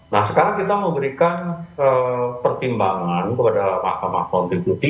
nah sekarang kita memberikan pertimbangan kepada mahkamah konstitusi